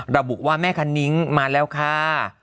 ระบุว่าแม่คันนิ้งมาแล้วค่ะ